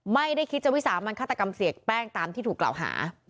ไม่ได้คิดจะวิสามันฆาตกรรมเสียแป้งตามที่ถูกกล่าวหา